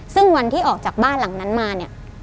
ซึ่งวันที่ออกจากบ้านหลังนั้นมาเนี่ย